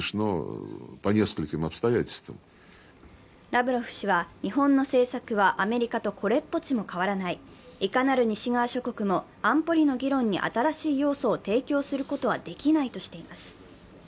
ラブロフ氏は、日本の政策はアメリカとこれっぽちも変わらない、いかなる西側諸国も安保理の議論に新しい要素を提供することはできないとしています。